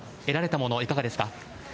得られたもの、いかがですか。